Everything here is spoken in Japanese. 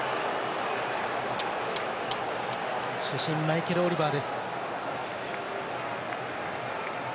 主審、マイケル・オリバーです。